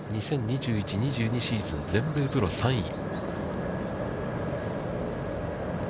２０２１、２２シーズン、全米プロ３位。